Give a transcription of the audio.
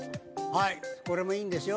はいこれもいいんですよ